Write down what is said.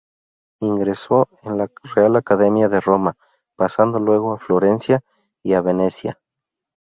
Ingresó en la Real Academia de Roma, pasando luego a Florencia y a Venecia.